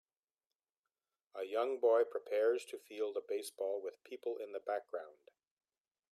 A young boy prepares to field a baseball with people in the background